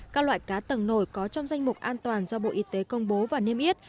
các loại cá tầng nổi có trong danh mục an toàn do bộ y tế công bố và niêm yết